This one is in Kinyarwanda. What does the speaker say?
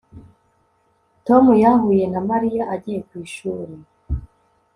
Tom yahuye na Mariya agiye ku ishuri